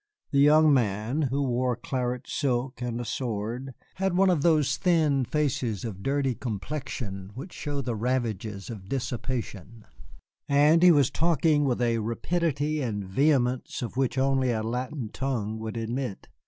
The young man, who wore claret silk and a sword, had one of those thin faces of dirty complexion which show the ravages of dissipation, and he was talking with a rapidity and vehemence of which only a Latin tongue will admit.